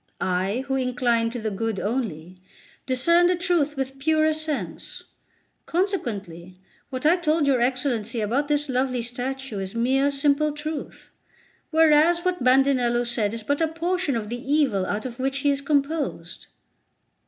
I, who incline to the good only, discern the truth with purer sense. Consequently, what I told your Excellency about this lovely statue is mere simple truth; whereas what Bandinello said is but a portion of the evil out of which he is composed."